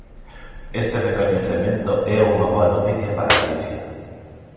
Este recoñecemento é unha boa noticia para Galicia.